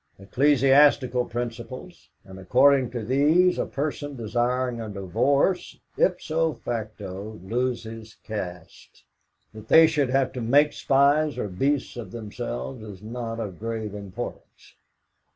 "Ecclesiastical principles, and according to these a person desiring a divorce 'ipso facto' loses caste. That they should have to make spies or beasts of themselves is not of grave importance."